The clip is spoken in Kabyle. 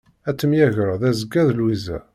Ad temyagreḍ azekka d Lwiza.